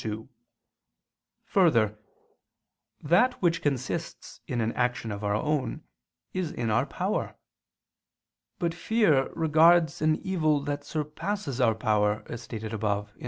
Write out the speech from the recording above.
2: Further, that which consists in an action of our own is in our power. But fear regards an evil that surpasses our power, as stated above (A.